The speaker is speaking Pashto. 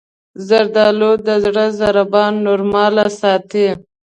زردالو د زړه ضربان نورمال ساتي.